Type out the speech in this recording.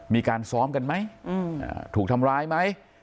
มีการซ้อมกันไหมถูกทำร้ายไหม